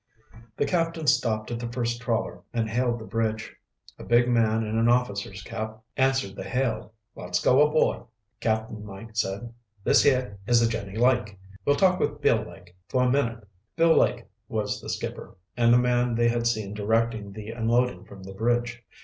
The captain stopped at the first trawler and hailed the bridge. A big man in an officer's cap answered the hail. "Let's go aboard," Cap'n Mike said. "This here is the Jennie Lake. We'll talk with Bill Lake for a minute." Bill Lake was the skipper, and the man they had seen directing the unloading from the bridge.